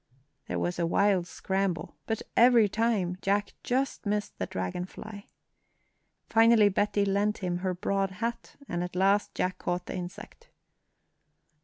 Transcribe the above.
There was a wild scramble, but every time Jack just missed the dragon fly. Finally Betty lent him her broad hat, and at last Jack caught the insect.